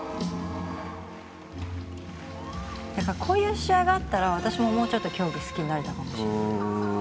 なんかこういう試合があったら私ももうちょっと競技好きになれたかもしれない。